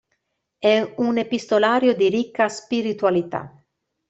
È un epistolario di ricca spiritualità.